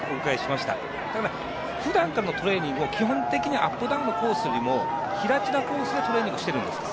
ただ、ふだんからのトレーニングは基本的にアップダウンのコースよりも平地のコースでトレーニングをしているんですか？